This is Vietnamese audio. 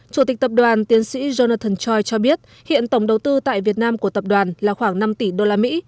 chủ tịch tập đoàn tiến sĩ jonathan choi cho biết hiện tổng đầu tư tại việt nam của tập đoàn là khoảng năm tỷ usd